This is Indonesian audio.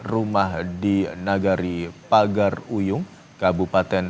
rumah di nagari pagar uyung kabupaten